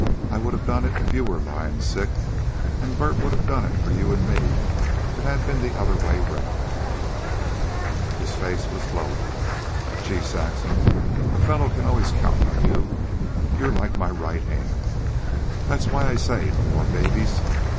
I would have done it if you were lying sick, and Bert would have done it for you an' me if it had been the other way around." His face was glowing. "Gee, Saxon, a fellow can always count on you. You're like my right hand. That's why I say no more babies.